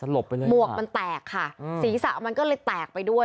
หมวกมันแตกค่ะศีรษะมันก็เลยแตกไปด้วย